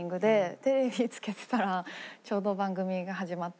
テレビつけてたらちょうど番組が始まって。